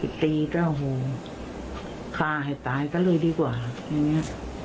ตีก็โหฆ่าให้ตายก็เลยดีกว่าครับอย่างนี้